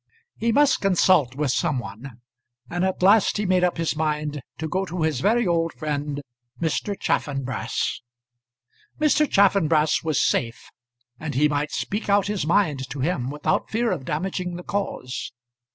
He must consult with some one, and at last he made up his mind to go to his very old friend, Mr. Chaffanbrass. Mr. Chaffanbrass was safe, and he might speak out his mind to him without fear of damaging the cause.